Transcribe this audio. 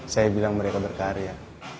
saya bilang mereka bertarya